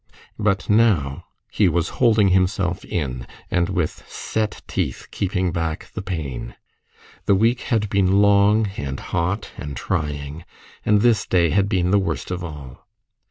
But now he was holding himself in, and with set teeth keeping back the pain. The week had been long and hot and trying, and this day had been the worst of all.